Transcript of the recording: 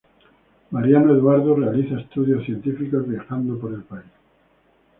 Mariano Eduardo realiza estudios científicos viajando por el país.